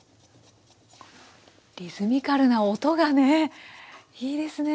リズミカルな音がねいいですね。